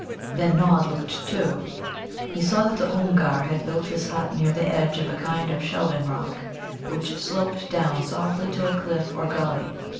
Then Nod looked, too. He saw that the Oomgar had built his hut near the edge of a kind of shelving rock, which sloped down softly to a cliff or gully.